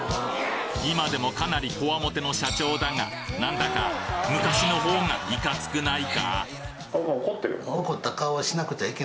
今でもかなりコワモテの社長だがなんだか昔の方がイカツくないか？